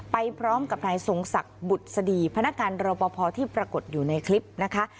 ไปพร้อมกับนายทรงศักดิ์บุษดีพนักงานรอปภที่ปรากฏอยู่ในคลิปนะคะ